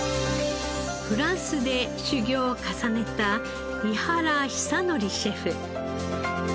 フランスで修業を重ねた井原尚徳シェフ。